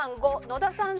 ５野田さん